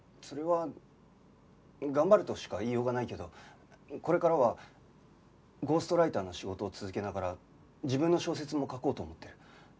それは頑張るとしか言いようがないけどこれからはゴーストライターの仕事を続けながら自分の小説も書こうと思ってる。